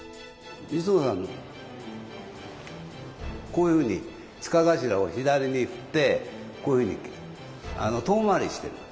こういうふうに柄頭を左に振ってこういうふうに遠回りしてる。